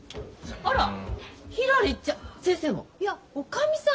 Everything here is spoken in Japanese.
あっおかみさん。